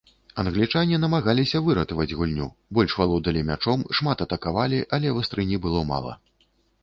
Англічане намагаліся выратаваць гульню, больш валодалі мячом, шмат атакавалі, але вастрыні было мала.